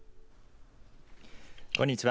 こんにちは。